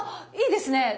いいですね。